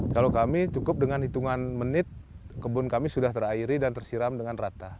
kalau kami cukup dengan hitungan menit kebun kami sudah terairi dan tersiram dengan rata